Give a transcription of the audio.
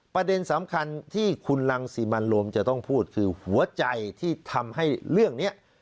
ประเด็นสำคัญที่คุณรังสิมันโรมจะต้องพูดคือหัวใจที่ทำให้เรื่องนี้